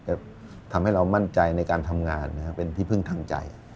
จะทำให้เรามั่นใจในการทำงานเป็นที่พึ่งทางใจ